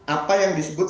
apa yang disebut